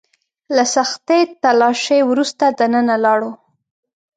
له سختې تلاشۍ وروسته دننه لاړو.